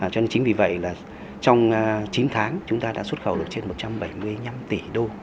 cho nên chính vì vậy là trong chín tháng chúng ta đã xuất khẩu được trên một trăm bảy mươi năm tỷ đô